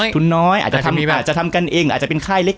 ทุนน้อยอาจจะทำอาจจะทำกันเองอาจจะเป็นค่ายเล็ก